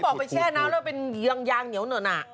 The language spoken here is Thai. เขาบอกไปแช่น้ำแล้วเป็นยางเหนียวหน่อยน่ะ